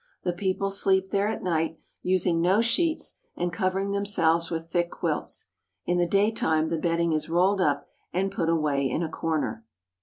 The people sleep there at night, using no sheets, and covering themselves with thick quilts. In the daytime the bedding is rolled up and put away in a corner.